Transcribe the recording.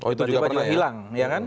itu juga hilang